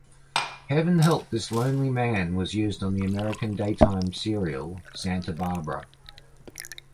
"Heaven Help This Lonely Man" was used on the American daytime serial "Santa Barbara".